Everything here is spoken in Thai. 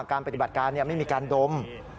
การปฏิบัติการไม่มีการดม